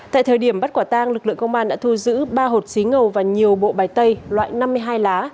tại thời điểm bắt quả tang lực lượng công an đã thu giữ ba hột xí ngầu và nhiều bộ bài tay loại năm mươi hai lá